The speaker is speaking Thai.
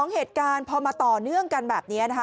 เหตุการณ์พอมาต่อเนื่องกันแบบนี้นะคะ